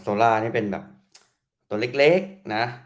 โซล่านี่เป็นแบบตัวเล็กนะ